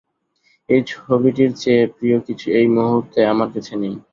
এই ছবিটির চেয়ে প্রিয় কিছু এই মুহূর্তে আমার কাছে নেই।